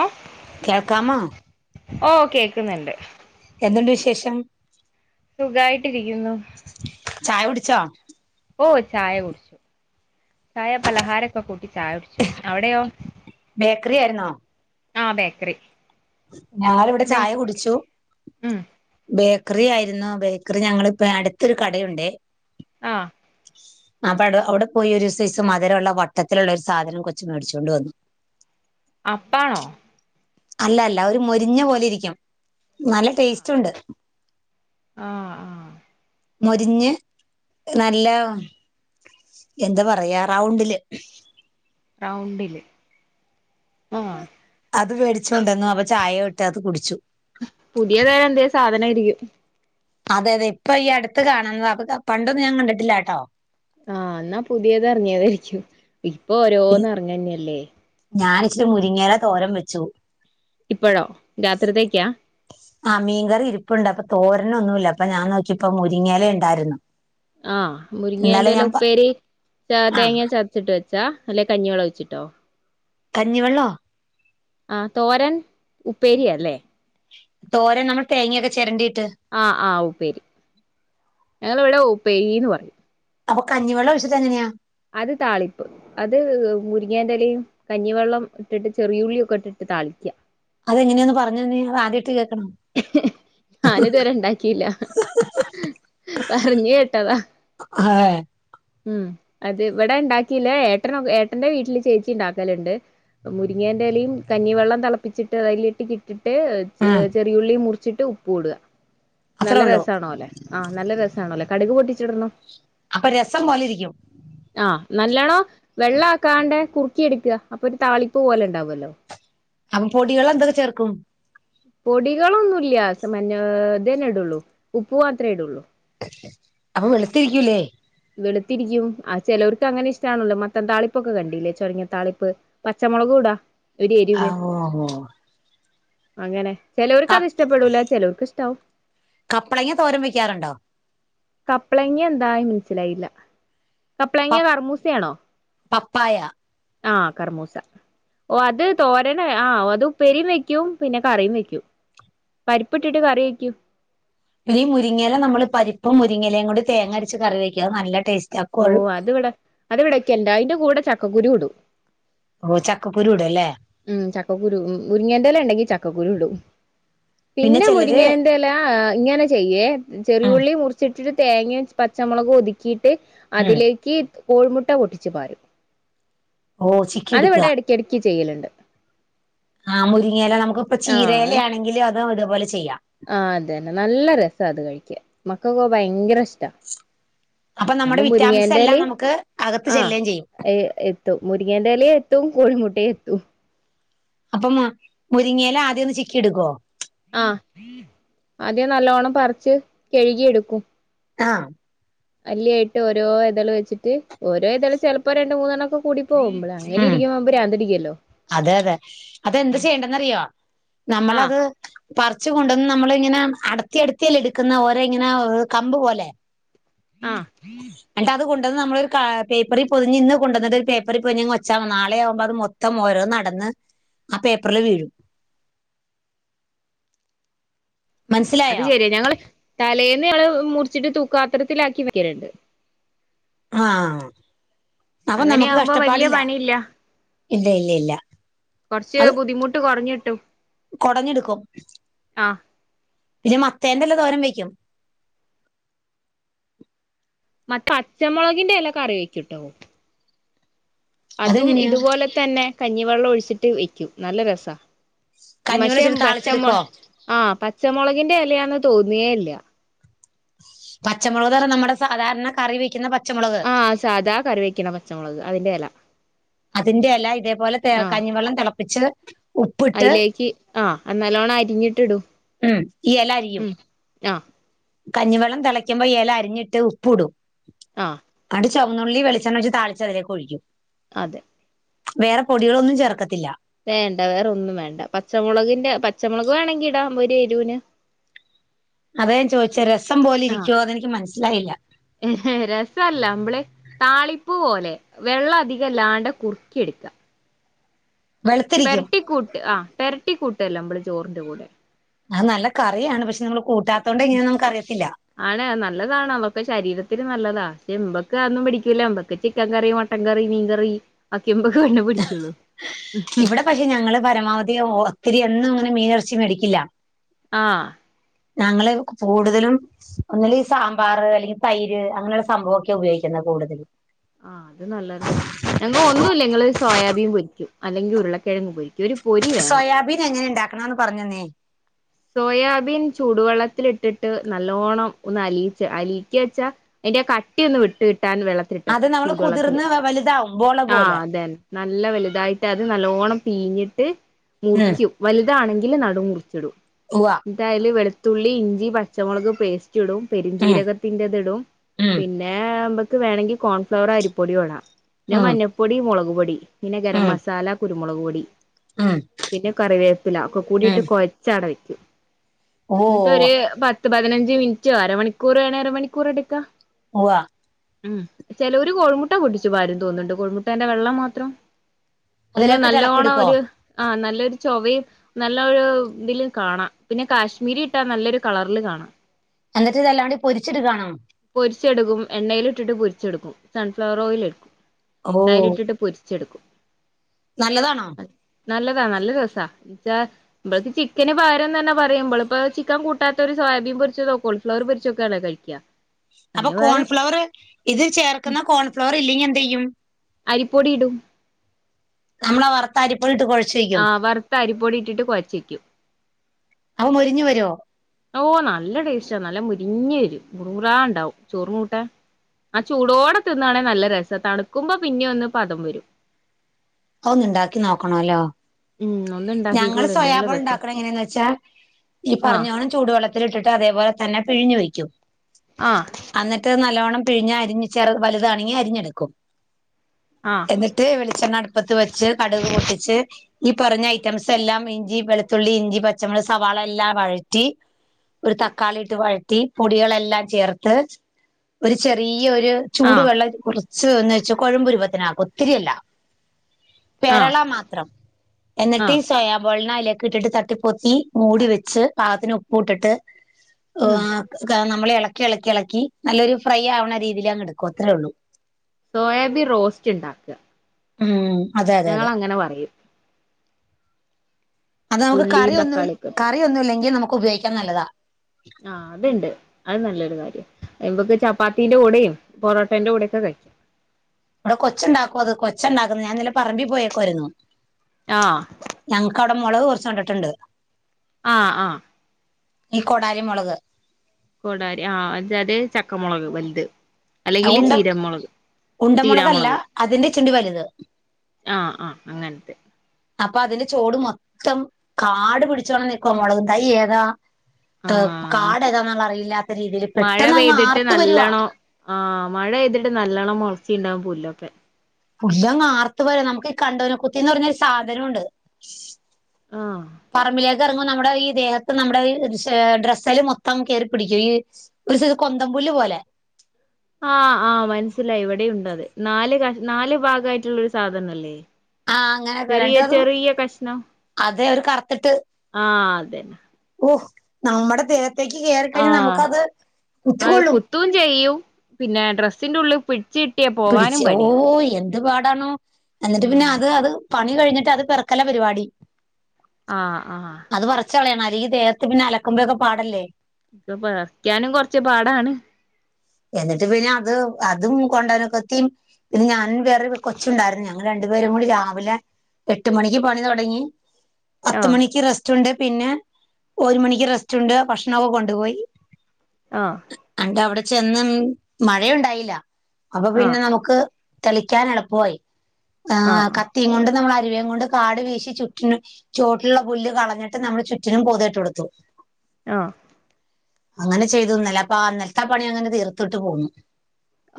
ആഹ് കേൾക്കാമോ ഓ കേക്കുന്ന്ണ്ട് എന്തുണ്ട് വിശേഷം സുഖായിട്ടിരിക്കുന്നു. ചായ കുടിച്ചോ? ഓ ചായ കുടിച്ചു ചായ പലഹാര ഒക്കെ കൂട്ടി ചായ കുടിച്ചു അവിടെയോ ബേക്കറി ആയിരുന്നോ? ആഹ് ബേക്കറി ഞാനിവിടെ ചായ ബേക്കറി കുടിച്ചു ഉം ബേക്കറി ആയിരുന്നു ബേക്കറി ഞങ്ങളിപ്പൊ അടുത്തൊരു കടയുണ്ടേ ആഹ് ആഹ് അപ്പ അ അവിടെ പോയി ഒരു സൈസ് മധുരള്ള വട്ടത്തിലുള്ള ഒരു സാധനം കൊച്ച് മേടിചോണ്ട് വന്നു അപ്പാണോ അല്ല അല്ല ഒരു മൊരിഞ്ഞ പോലെ ഇരിക്കും നല്ല ടേസ്റ്റ് ഉണ്ട് ആഹ് ആഹ് മുരിഞ്ഞ് നല്ല എന്താ പറയാ റൗണ്ടില് റൗണ്ടില് ആ അത് മേടിച്ച് കൊണ്ട് വന്നു അപ്പൊ ചായ ഇട്ട് അത് കുടിച്ചു. പുതിയതായ എന്തെലും സാധനായിരിക്കും അതെ അതെ ഇപ്പൊ ഈ അടുത്ത് കാണുന്നതാ പണ്ടൊന്നും ഞാൻ കണ്ടിട്ടില്ലാട്ടോ ആഹ് എന്നാ പുതിയത് ഇറങ്ങിയതായിരിക്കും ഇപ്പൊ ഓരോന്ന് ഇറങ്ങന്നെയല്ലേ ഞാനി ഇച്ചിരി മുരിങ്ങേല തോരം വെച്ചു ഇപ്പഴോ രാത്രിത്തേക്കാ ആ മീൻകറി ഇരിപ്പുണ്ട് അപ്പൊ തോരന ഒന്നുല്ലാ അപ്പൊ ഞാൻ നോക്കിയപ്പോ മുരിങ്ങേല ഇണ്ടായിരുന്നു ആഹ് മുരിങ്ങിയേന്റെ ഇല ഉപ്പേരി തേ ആ തേങ്ങ ച വച്ചിട്ട് വച്ചാ അല്ലേ കഞ്ഞിവള്ളം ഒഴിച്ചിട്ടോ? കഞ്ഞിവെള്ളോ ആ തോരൻ ഉപ്പേരി അല്ലേ തോരൻ നമ്മൾ തേങ്ങൊക്കെ ചിരണ്ടിയിട്ട് ആഹ് ആഹ് ഉപ്പേരി ഞങ്ങളിവിടെ ഉപ്പേരിന്ന് പറയും അപ്പൊ കഞ്ഞിവെള്ള ഒഴിച്ചിട്ടു എങ്ങനെയാ അത് താളിപ്പ് അത് മുരിങ്ങേന്റലയും കഞ്ഞിവെള്ളം ഇട്ടിട്ട് ചെറിയുള്ളിഒക്കെ ഇട്ടിട്ട് താളിക്കുക അതെങ്ങനെയെന്ന് പറഞ്ഞ് തന്നെ അത് ആദ്യ ആയിട്ട് കേൾക്കാണ് ഞാനിതുവരെ ഉണ്ടാക്കിയില്ല പറഞ് കേട്ടതാ ആഹ് ഉം അത് ഇവിടെ ഉണ്ടാക്കില്ലേ ഏട്ടന ഏട്ടന്റെ വീട്ടില് ചേച്ചി ഇണ്ടാക്കല്ണ്ട് മുരിങ്ങേന്റെലയും കഞ്ഞിവെള്ളം തിളപ്പിച്ചിട്ട് അതിലേട്ട് ഇട്ടിട്ട് ഉം മുറിച്ചിട്ട് ഉപ്പ് ഇടുക അത്രേ നല്ല ഉള്ളൂ രസാണോല്ലെ ആഹ് നല്ല രസാണോല്ലെ കടുക് പൊട്ടിച്ചിടണം അപ്പൊ രസം പോലെ ഇരിക്കും ആഹ് നല്ലോണം വെള്ള ആക്കാണ്ട് കുറുക്കി എടുക്കുക അപ്പൊ ഒരു താളിപ്പ് പോലെ ഉണ്ടാവും അല്ലോ അപ്പൊ പൊടികൾ എന്തൊക്കെ ചേർക്കും പൊടികളൊന്നും ഇല്ല ഇതന്നെ ഇടുള്ളൂ ഉപ്പ് മാത്രേ ഇടുള്ളൂ അപ്പൊ വെളുത്തിരിക്കൂല്ലേ വെളുത്തിരിക്കും ആ ചെലർക്ക് അങ്ങനെ ഇഷ്ടാണല്ലോ മത്തൻ താളിപ്പൊക്കെ കണ്ടീല്ലേ ചോരങ്ങ താളിപ്പ് പച്ചമുളകും ഇടാ ഒരു എരിവിന് ഓഹ് ഓഹ് അങ്ങനെ ചെലവർക്ക് ക അത് ഇഷ്ടപ്പെടൂല ചെലവർക്ക് ഇഷ്ടാവും. കപ്പളങ്ങ തോരൻ വെക്കാറുണ്ടോ കപ്പ്ളങ്ങ എന്തായ് മനസ്സിലായില്ല പ കപ്പളങ്ങ കറമൂസയാണോ? പപ്പായ ആഹ് കറമൂസ ഓ അത് തോരന ആഹ് അത് ഉപ്പേരിം വയ്ക്കും പിന്നെ കറിയും വെക്കൂ പരിപ്പ് ഇട്ടിട്ട് കറി വെക്കൂ ഈ മുരിങ്ങയില നമ്മള് പരിപ്പും മുരിങ്ങലയും കൂടി തേങ്ങരച്ച് കറി വെക്കും അത് നല്ല ടേസ് ഓ അതിവടെ അത് ഇവിടക്കെണ്ട് അതിന്റെ കൂടെ ചക്കക്കുരൂ ഇടും ഓ ചക്കക്കുരു ഇടുവല്ലേ ഉം ചക്കക്കുരു മുരിങ്ങൻ്റെല ഉണ്ടെങ്കിൽ ചക്കക്കുരു ഇടും പിന്നെ മുരിങ്ങേൻ്റ ല ഇങ്ങനെ ചെയ്യേ ഉം ചെറിയുള്ളി മുറിച്ചിട്ടിട്ട് തേങ്ങയും പച്ചമുളകും ഒതുക്കിട്ട് ഉം അതിലേക്ക് കോഴിമുട്ട പൊട്ടിച്ചു പാരും ഓ ചിക്കി എടുക്കുക അതിവടെ എട കിടക്ക് ചെയ്യലുണ്ട് ആഹ് മുരിങ്ങയില നമുക്ക് ഇപ്പൊ ചീരേയില ആഹ് ആണെങ്കിലും അതും ഇതുപോലെ ചെയ്യാം ആഹ് അതന്നെ നല്ല രസാ അത് കഴിക്കാൻ മക്കക്കൊ ഭയങ്കര ഇഷ്ടാ അപ്പൊ നമ്മുടെ നമ്മ വിറ്റാമിൻസ് എല്ലാം നമുക്ക് അകത്ത് ചെല്ലുകയും ചെയ്യും ഏ എത്തും മുരിങ്ങന്റെലയും എത്തും കോഴിമുട്ടേ എത്തും അപ്പം മുരിങ്ങയില ആദ്യം ഒന്ന് ചിക്കി എടുക്കോ ആഹ് ആദ്യം നല്ലോണം പറച്ച് കഴുകിയെടുക്കും ആഹ് അല്ലി ആയിട്ട് ഓരൊ ഇതള് വെച്ചിട്ട് ഓരോ ഇതള് ചിലപ്പോ രണ്ട മൂന്നെണ്ണൊക്കെ കൂടി പോകുമ്പള് അങ്ങനെ ഉം ഇരിക്കുമ്പോ ഭ്രാന്ത് പിടിക്കുവല്ലോ അതെ അതെ അതെന്ത് ചെയ്യണ്ടെന്നറിയോ ആഹ് നമ്മളത് പറിച്ച് കൊണ്ടന്ന് നമ്മളിങ്ങനെ അടത്തി അടുത്തിഅല്ലേ എടുക്കുന്നേ ഓര ഇങ്ങനെ കമ്പ് പോലെ ആഹ് എന്നിട്ട് അത് കൊണ്ടന്ന് നമ്മളൊരു കാ പേപ്പറിൽ പൊതിഞ്ഞ് ഇന്ന് കൊണ്ടന്നിട്ട് ഒരു പേപ്പറിൽ പൊതിഞ്ഞ് അങ്ങ് വെച്ച മതി നാളെ ആവുമ്പോ അത് മൊ ത്തം ഓരോ അടന്ന് ആ പേപ്പറില് വീഴും അത് മനസ്സിലായോ ശരിയാ ഞങ്ങള് തലേന്ന് ഞങ്ങള് മുറിച്ചിട്ട് തൂക്കാത്രത്തിലാക്കി വെയ്ക്കലുണ്ട് ആഹ് അപ്പൊ നമുക്ക് അങ്ങനെയാവുമ്പോ വലിയ കഷ്ടപ്പാടില്ല പണിയില്ല ഇല്ല ഇല്ല ഇല്ല കൊർച്ച് ബുദ്ധിമുട്ട് കൊറഞ്ഞിട്ടും കൊടഞ്ഞ്ടുക്കും ആഹ് പിന്നെ മത്തേന്റെല തോരൻ വെക്കും മറ്റ പച്ചമുളകിന്റെ എല കറി വെക്കുട്ടോ അതും അതെങ്ങനെയാ ഇതുപോലെ തന്നെ കഞ്ഞിവെള്ളം ഒഴിച്ചിട്ട് വെക്കും നല്ല രസാ മഷേ കഞ്ഞിവെള്ളൊഴിച്ചിട്ട് പച്ചമ താളിച്ചെടുക്കോ ആഹ് പച്ചമുളകിന്റെ എലയാന്ന് തോന്നേല്ല പച്ചമുളക് പറഞ്ഞ നമ്മുടെ സാധാരണ കറി വെക്കുന്ന പച്ചമുളക് ആഹ് സാധാ കറി വെക്കണ പച്ചമുളക് അതിന്റെ എല അതിന്റെ എല ഇതേപോലെ തെ ആഹ് കഞ്ഞിവെള്ളം തിളപ്പിച്ച് ഉപ്പിട്ട് അയിലേക്ക് ആഹ് നല്ലോണം അരിഞ്ഞിട്ടിടും ഉം ഈ എല അരിയും ഉം ആഹ് കഞ്ഞിവെള്ളം തിളയ്ക്കുമ്പോ ഈ എല അരിഞ്ഞിട്ട് ഉപ്പ് ഇടും ആഹ് പട് ചൊവുന്നുള്ളി വെളിച്ചെണ്ണ വെച്ച് താളിച്ച് അതിലേക്ക് ഒഴിക്കും അതെ വേറെ പൊടികളൊന്നും ചേർക്കത്തില്ല വേണ്ട വേറെ ഒന്നും വേണ്ട പച്ചമുളകിന്റെ പച്ചമുളക് വേണങ്കി ഇടാ ഒരു എരൂന് അതാ ഞാൻ ചോദിച്ചെ രസം പോലെ ഇരിക്കുവോ അത് എനിക്ക് മനസ്സിലായില്ല ഇഹ് രസല്ല അമ്പള് താളിപ്പ് പോലെ വെള്ളം അധികം ഇല്ലാണ്ടെ കുറുക്കി എടുക്ക വെളുത്തിരിക്കും പെരട്ടിക്കൂട്ട് ആഹ് പെരട്ടിക്കൂട്ടല്ലൊ മ്പള് ചോറിന്റെ കൂടെ അത് നല്ല കറിയാണ് പക്ഷെ നമ്മള് കൂട്ടാത്തോണ്ട് എങ്ങനെയാ നമുക്ക് അറിയത്തില്ല ആണ് അത് നല്ലതാണ് അതൊക്കെ ശരീരത്തിന് നല്ലതാ പക്ഷെ ഇമ്പക്ക് അതൊന്നും പിടിക്കൂല ഇമ്പ ക്ക് ചിക്കൻ കറി മട്ടൻകറി മീൻകറി ഒക്കെ ഇമ്പക്ക് കണ്ണ് പിടിക്കുള്ളൂ ഇവിടെ പക്ഷെ ഞങ്ങള് പരമാവധി ഒത്തിരി എന്നും അങ്ങനെ മീനു ഇറച്ചി മേടിക്കില്ല ആഹ് ഞങ്ങള് കൂടുതലും ഒന്നൂല്ലേ ഈ സാമ്പാർ അല്ലെങ്കിൽ തൈര് അങ്ങനെയുള്ള സംഭവൊക്കെ ഉപയോഗിക്കുന്നത് കൂടുതൽ ആഹ് അത് നല്ലതാ ഞങ്ങ ഒന്നുംല്ല ആഹ് അത് നല്ലതാ ഞൻക്ക് ഒന്നും ഇല്ലെങ്കിൾ സോയാബീൻ പൊരിക്കും അല്ലെങ്കിൽ ഉരുളക്കിഴങ്ങ് പൊരിക്കും ഒരു പൊരി വേണം സോയാബീൻ എങ്ങനെ ഉണ്ടാക്കണന്ന് പറഞ്ഞന്നേ സോയാബീൻ ചൂടുവെള്ളത്തിലിട്ടിട്ട് നല്ലോണ്ണം ഒന്ന് അലീക്കാ അലീക്കാച്ച അയിന്റെ ആ കട്ടിയൊന്ന് വിട്ട് കിട്ടാൻ അത് വെള്ളത്തിട്ടക്കും നമ്മള് ചൂട്വെള്ളത്തില് കുതിർന്ന് വലുതാവും ബോള ആഹ് പോലെ അതന്നെ നല്ല വലുതായിട്ട് അത് നല്ലോണ്ണം പീഞ്ഞിട്ട് ഉം മുറിക്കും വലുതാണെങ്കിൽ നടു മുറിച്ചിടും ഉവ്വ ഇൻറ്റയ്ല് വെളുത്തുള്ളി ഇഞ്ചി പച്ചമുളക് പേസ്റ്റ് റ്റിടും ഉം പെരഞ്ചീരകത്തിന്റെത് ഇടും ഉം പിന്നെ മ്പ ക്ക് വേണെങ്കിൽ കോൺഫ്ലവറോ അരിപ്പൊടിയോ ഇടാം പിന്നെ ഉം മഞ്ഞപ്പൊടി മുളക് പൊടി പിന്നെ ഗരം ഉം മസാല കുരുമുളക് പൊടി ഉം പിന്നെ കറിവേപ്പില ഒക്കെ ഉം കൂടിട്ട് കുഴച്ചവിടെ ഓ ന്നട്ട് ഒരു പത്ത് പതിനഞ്ച് മിനിറ്റൊ അരമണിക്കൂർ വേണേ അര മണിക്കൂർ എടുക്കാ ഉവ്വ ഉം ചെലോരു കോഴിമുട്ട പൊട്ടിച്ചു പാരും തോന്നുന്നുണ്ട് കോഴിമുട്ടേന്റെ വെള്ളം മാത്രം ഒന്ന് അതിലേക്കിട്ട് നല്ലോണം ഇളക്കിയെടുക്കോ ഒരു ആഹ് നല്ലൊരു ചൊവയും നല്ലൊരു ഇതില് കാണാം പിന്നെ കാശ്മീരി ഇട്ടാ നല്ലൊരു കളറിൽ കാണാം എന്നിട്ട് ഇതെല്ലാണ്ട പൊരിച്ചെടുക്കാണോ പൊരിച്ചെടുക്കും എണ്ണയിൽ ഇട്ടിട്ട് പൊരിച്ചെടുക്കും സൺഫ്ലവർ ഓയിൽ എടുക്കും ഓ അതിൽ ഇട്ടിട്ട് പൊരി ച്ചെടുക്കും നല്ലതാണോ നല്ലതാ നല്ല രസാ ച്ചാ ഇമ്പളിത് ചിക്കന് പകരം തന്നെ പറയും ഇമ്പളിപ്പൊ ചിക്കൻ കൂട്ടാത്തതോര് സോയാബീൻ പൊരിച്ചതോ കോളിഫ്ലവർ പൊരിച്ചോക്കെയാണല്ലോ കഴിക്കാ അപ്പൊ അതിന് പകരം കോൺഫ്ലവർ ഇത് ചേർക്കുന്ന കോൺഫ്ലവർ ഇല്ലെങ്കിൽ എന്ത് ചെയ്യും അരിപ്പൊടി ഇടും നമ്മള വറുത്ത അരിപ്പൊടി ഇട്ട് കൊഴ ആഹ് വറുത്ത അരിപ്പൊടി ഇട്ടിട്ട് കൊഴച്ചയ്ക്കും അവ മൊരിഞ്ഞു വരോ ഓഹ് നല്ല ടേസ്റ്റാ നല്ല മുരിഞ്ഞ് വരും മുറു മുറാ ഉണ്ടാവും ചോറിന് കൂട്ട ആ ചൂടോടെ തിന്നാണെ നല്ല രസാ തണുക്കുമ്പോ പിന്നെ ഒന്ന് പദം വരും അതൊന്നുണ്ടാക്കി നോക്കണല്ലോ ഉം ഒന്ന് ഞങ്ങള് ഇണ്ടാക്കിക്കോളിണ്ട് നല്ല സോയാബോൾ രസാ ഉണ്ടാക്ക്ണെ എങ്ങനെയന്ന് വച്ചാ ഈ ആഹ് പറഞ്ഞോണം ചൂടുവെള്ളത്തിലിട്ടിട്ട് അതേപോലെ തന്നെ പിഴിഞ്ഞു വെക്കും ആഹ് അന്നിട്ട് നല്ലോണം പിഴിഞ്ഞ് അരിഞ്ഞ് ചെറു വലുതാണെങ്കിൽ അരിഞ്ഞെടുക്കും ആഹ് എന്നിട്ട് വെളിച്ചെണ്ണ അടുപ്പത്ത് വെച്ച് കടുക് പൊട്ടിച്ച്,, ഈ പറഞ്ഞ ഐറ്റംസ് എല്ലാം ഇഞ്ചി വെളുത്തുള്ളി ഇഞ്ചി പച്ചമുള സവാള എല്ലാം വഴറ്റി ഒരു തക്കാളി ഇട്ട് വഴറ്റി പൊടികളെല്ലാം ചേർത്ത് ഒരു ചെറിയൊരു ചൂട് ആഹ് വെള്ളം കുറച്ച് ഒന്ന് വെച്ച കൊഴമ്പ് രൂപത്തിലാക്കും ഒത്തിരിയല്ല ആഹ് പേരളമാത്രം എന്നിട്ട്,, ആഹ് സോയബോളിനെ അതിലേക്ക് ഇട്ടിട്ട് തട്ടിപ്പൊത്തി മൂടി വെച്ച് പാകത്തിന് ഉപ് ഉപ്പുട്ടിട്ട് ഉം ആഹ് നമ്മള് ഇളക്കി ഇളക്കി ഇളക്കി നല്ലൊരു ഫ്രൈ ആവണ രീതിയിൽ അങ്ങ് എടുക്കും അത്രേ ഉള്ളൂ സോയാബിൻ റോസ്റ്റ് ഉണ്ടാക്ക ഉം അതെ അതെ അതെ അങ്ങനെ പറയും അത് നമുക്ക് കറി ഉള്ളിയും ഒന്നും തക്കാളിയൊക്കെ ഇട്ടിട്ട് കറി ഒന്നും ഇല്ലെങ്കിൽ നമുക്ക് ഉപയോഗിക്കാൻ നല്ലതാ ആഹ് അത്ണ്ട് അത് നല്ലൊരു കാര്യ നമ്മക്ക് ചപ്പാത്തിന്റെ കൂടെയും പൊറോട്ടേന്റെ കൂടെക്കെ കഴിക്കാം ഇവിടെ കൊച്ച ഉണ്ടാക്കോ അത് കൊച്ച ഉണ്ടാക്കന്ന് ഞാൻ ഇന്നലെ പറമ്പിൽ പോയേക്കയിരുന്നു ആഹ് ഞങ്ങക്കവിടെ മുളക് കുറച്ച് നട്ടിട്ടുണ്ട് ആഹ് ആഹ് ഈ കൊടാലി മുളക് കോടാരി ആഹ് എന്ത അത് ചക്കമുളക് വലുത് അല്ലെങ്കില് ഉണ്ട ചീരമുളക് ഉണ്ടമുളകല്ല ചീരാമുളക് അതിന്റെ ഇച്ചിരി വലുത് ആഹ് ആഹ് അങ്ങനത്തെ അപ്പൊ അതിന്റെ ചോട് മൊത്തം കാടു പിടിച്ചോണം നിക്കുവ മുളക് തൈ ഏതാ ആ കാട് താന്നുള്ള അറിയില്ലാത്ത രീതിയിൽ പെട്ടെന്ന് അങ്ങ് ആർത്ത് വരുവാ ആഹ് മഴെയ്തിട്ട് നല്ലവണ്ണം മുളച്ചിണ്ടാവും പുല്ലൊക്കെ പുല്ലങ്ങ് ആർത്ത് പോരാ നമുക്ക് ഈ കണ്ടപന കുത്തിന്ന് പറഞ്ഞരു സാധനംണ്ട് ആ പറമ്പില് ഇറങ്ങോ നമ്മുടെ ഈ ദേഹത്ത് നമ്മുടെ ഡ്രസ്സൽ മൊത്തം കയറിപ്പിടിക്കും ഈ ഒരു സയ്സ് കൊന്തംപുല്ല് പോലെ ആഹ് ആഹ് മനസ്സിലായി ഇവിടെ ഉണ്ട് അത് നാല് കഷ് നാല് ഭാഗമായിട്ടുള്ള ഒരു സാധനം അല്ലേ ആഹ് അങ്ങനെ ചെറിയ വരാണ്ട് അത് ചെറിയ കഷ്ണം അതെ ഒരു കറുത്തിട്ട് ആഹ് അതന്നെ ഓഹ് നമ്മുടെ ദേഹത്തേക്ക് കയറിക്കഴിഞ്ഞാൽ നമുക്കത് കുത്തിി കൊള്ളും ത്തയും ചെയ്യും പിന്നെ ഡ്രസ്സിന്റെ ഉള്ളിൽ പിടിച്ച് പോവാനും പിടിച്ച് ഓ പണിയാ എ പാടാണോ എന്നിട്ട് പിന്നെ അത് അത് പണി കഴിഞ്ഞിട്ട് അത് പെറ ക്കല പരിപാടി ആഹ് ആഹ് അത് പറിച്ച് കളയണം അല്ലെങ്കിൽ ദേഹത്ത് പിന്നെ അലക്കുമ്പൊക്കെ പാടല്ലേ ഇത് പറിക്കാനും കുറച്ച് പാടാണ് എന്നിട്ട് പിന്നെ അത് അതും കൊണ്ടോന കത്തിയും പിന്നെ ഞാൻ വേറെൊരു കൊച്ചുണ്ടായിരുന്നു ഞങ്ങൾ രണ്ടുപേരും കൂടി രാവിലെ എട്ട് മണിക്ക് പണി തുടങ്ങി പത്ത് ആഹ് മണിക്ക് റെസ്‌റ്റ് ഉണ്ട് പിന്നെ ഒരു മണിക്ക് റെസ്റ്റ് ഉണ്ട് ഭക്ഷണ ഒക്കെ കൊണ്ടുപോയി ആഹ് അണ്ട് അവിടെ ചെന്ന് മഴയുണ്ടായില്ല അപ്പൊ ആഹ് പിന്നെ നമുക്ക് തെളിക്കാൻ എളുപ്പമായി ആഹ് കത്തിയും കൊണ്ട് നമ്മൾ അരുവേയും കൊണ്ട് കാട് വീശി ചുറ്റ ചൊട്ടിലുള്ള പുല്ല് കളഞ്ഞിട്ട് നമ്മള് ചുറ്റിനും പൊതട്ട്ടുത്തു. ആഹ് അങ്ങനെ ചെയ്തുന്നലേ അപ്പാ ആ ഇന്നൽത്തെ ആ പണി അങ്ങനെ തീർത്തിട്ട് പോന്നു.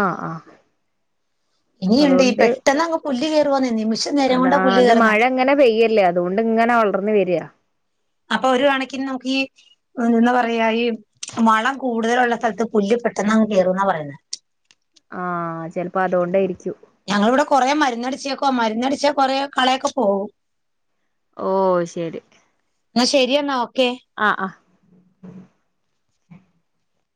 ആഹ് ആഹ് ഇനിയുണ്ട് ഈ അതുകൊണ്ട് പെട്ടെന്ന് അങ്ങ് പുല്ല് കയറുവാന്ന് നിമിഷ അത് ആഹ് അത് മഴങ്ങനെ പെയ്യല്ലേ അതുകൊണ്ട് ഇങ്ങനെ വളർന്നു വരാ. അപ്പൊ ഒരു കണക്കിന് നമുക്ക് ഈ എന്താ പറയാ ഈ വളം കൂടുതലുള്ള സ്ഥൽത്ത് പുല്ല് പെട്ടെന്ന്ങ് കേറുന്നാ പറയന്നേ. ആഹ് ചെൽപ്പോ അതൊണ്ട് ആയിരിക്കും. ഞങ്ങളിവിടെ കൊറേ മരുന്നടിച്ചേക്കോ മരുന്നടിച്ച കൊറേ കളയൊക്കെ പോവും. ഓഹ് ശരി. ന്നാ ശരിയെന്നാ ഓക്കെ. ആഹ് അ.